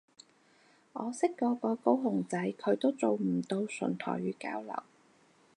我識嗰個高雄仔佢都做唔到純台語交流